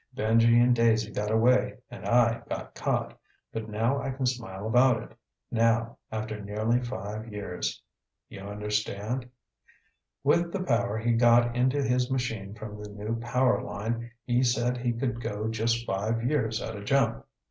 Benji and Daisy got away and I got caught. But now I can smile about it. Now, after nearly five years. You understand? With the power he got into his machine from the new power line, he said he could go just five years at a jump.